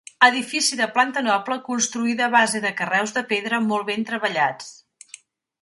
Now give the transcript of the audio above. Edifici de planta noble construïda a base de carreus de pedra molt ben treballats.